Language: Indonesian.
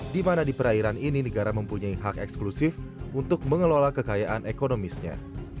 di mana di perairan ini negara mempunyai hak eksklusif untuk mengelola kekayaan ekonomisnya